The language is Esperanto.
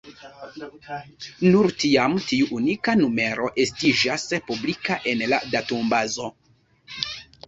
Nur tiam, tiu unika numero estiĝas publika en la datumbazo.